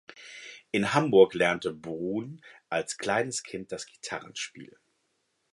In Hamburg lernte Bruhn als kleines Kind das Gitarrenspiel.